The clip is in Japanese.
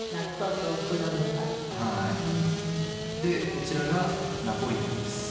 こちらがナポリタンです。